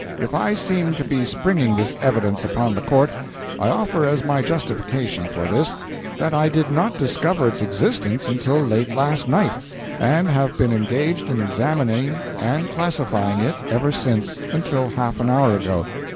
] If I seem to be springing this evidence upon the court, I offer as my justification for this, that I did not discover its existence until late last night, and have been engaged in examining and classifying it ever since, until half an hour ago.